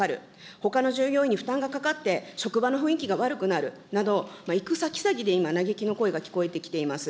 ほかの従業員に負担がかかって、職場の雰囲気が悪くなるなど、行く先々で、今、嘆きの声が聞こえてきております。